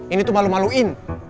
ini tuh malu maluin